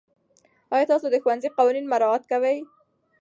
آیا تاسو د ښوونځي قوانین مراعات کوئ؟